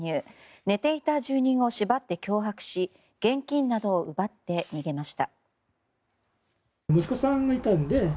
寝ていた住人を縛って脅迫し現金などを奪って逃げました。